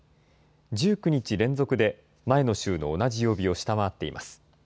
１９日連続で、前の週の同じ曜日を下回っています。